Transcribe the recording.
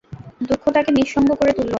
দুঃখ তাকে নিঃসঙ্গ করে তুলল।